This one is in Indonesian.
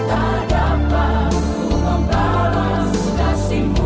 tak dapat ku membalas kasihmu